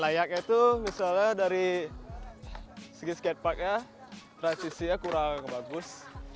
layaknya itu misalnya dari segi skateparknya transisinya kurang bagus